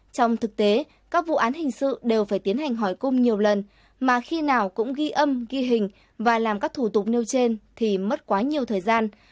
trong thực tế các vụ án hình sự đều phải tiến hành hỏi cung nhiều lần mà khi nào cũng ghi âm ghi hình và làm các thủ tục nêu trên thì mất quá nhiều thời gian